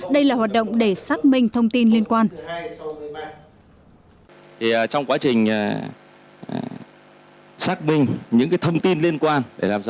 đây là hoạt động để xác minh thông tin liên quan